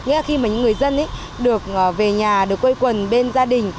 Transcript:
nghĩa là khi mà những người dân được về nhà được quây quần bên gia đình